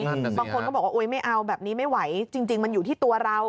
บางคนก็บอกว่าอุ๊ยไม่เอาแบบนี้ไม่ไหวจริงมันอยู่ที่ตัวเรา